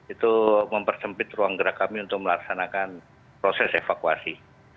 itu mempersempit ruang gerak kami untuk melaksanakan proses evakuasi